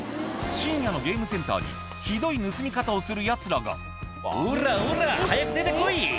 深夜のゲームセンターにひどい盗み方をするヤツらが「おらおら早く出て来い」